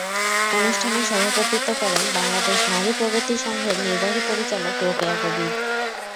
অনুষ্ঠানে সভাপতিত্ব করেন বাংলাদেশ নারী প্রগতি সংঘের নির্বাহী পরিচালক রোকেয়া কবীর।